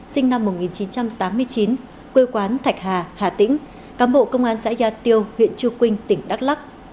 sinh năm một nghìn chín trăm tám mươi chín quê quán thạch hà hà tĩnh cám bộ công an xã gia tiêu huyện chư quynh tỉnh đắk lắc